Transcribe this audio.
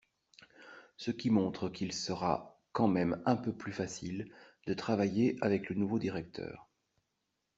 Ce qui montre qu’il sera quand même un peu plus facile de travailler avec le nouveau directeur.